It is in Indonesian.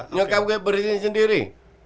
nyokap gue bersihin sendiri